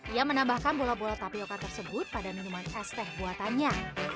ia menambahkan bola bola tapioca tersebut pada minuman es teh buatannya